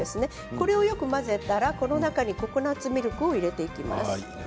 これをよく混ぜたらこの中にココナツミルクを入れていきます。